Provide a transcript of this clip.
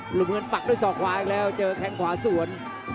มุมเงินปักด้วยศอกขวาอีกแล้วเจอแข้งขวาสวน